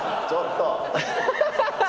ちょっと！